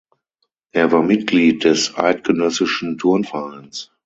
Er war Mitglied des Eidgenössischen Turnvereins.